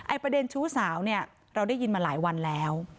ประเด็นชู้สาวเนี่ยเราได้ยินมาหลายวันแล้ว